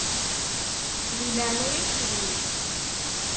Di leɛnaya-k xdem-it.